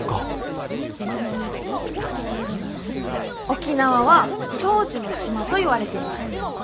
沖縄は長寿の島といわれています。